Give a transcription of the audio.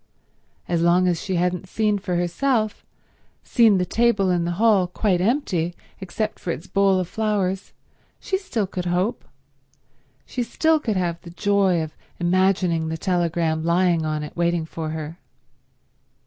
As long as she hadn't seen for herself, seen the table in the hall quite empty except for its bowl of flowers, she still could hope, she still could have the joy of imagining the telegram lying on it waiting for her.